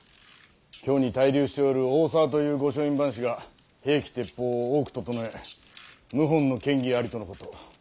京に滞留しておる大沢という御書院番士が兵器鉄砲を多くととのえ謀反の嫌疑ありとのこと。